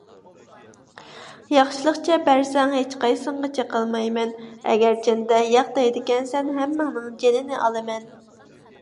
ياخشىلىقچە بەرسەڭ، ھېچقايسىڭغا چېقىلمايمەن، ئەگەرچەندە ياق دەيدىكەنسەن، ھەممىڭنىڭ جېنىنى ئالىمەن.